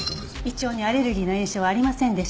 胃腸にアレルギーの炎症はありませんでした。